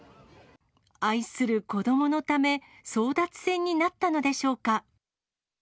愛する子どものため、争奪戦になったのでしょうか。